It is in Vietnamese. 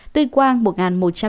tuyên quang một một trăm năm mươi năm